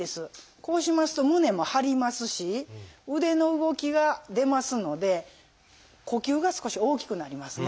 こうしますと胸も張りますし腕の動きが出ますので呼吸が少し大きくなりますね。